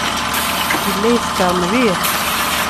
Yella yeskeṛ mliḥ.